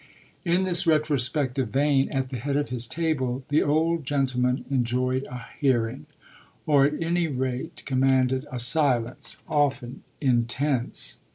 In this retrospective vein, at the head of his table, the old gentleman enjoyed a hearing, or at any rate commanded a silence, often intense.